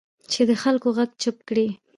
چې د خلکو غږ چپ کړي